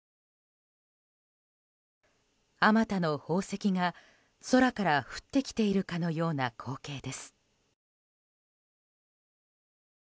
あまたの宝石が空から降ってきているかのような光景です。